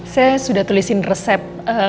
saya sudah tulisin resep